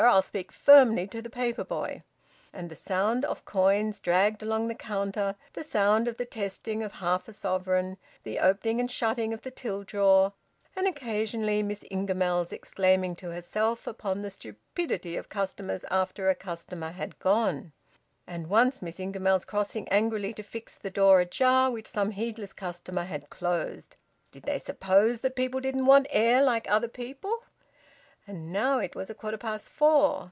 I'll speak firmly to the paper boy," and the sound of coins dragged along the counter, the sound of the testing of half a sovereign, the opening and shutting of the till drawer; and occasionally Miss Ingamells exclaiming to herself upon the stupidity of customers after a customer had gone; and once Miss Ingamells crossing angrily to fix the door ajar which some heedless customer had closed: "Did they suppose that people didn't want air like other people?" And now it was a quarter past four.